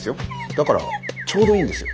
だからちょうどいいんです。